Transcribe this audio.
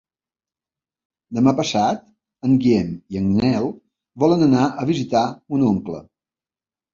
Demà passat en Guillem i en Nel volen anar a visitar mon oncle.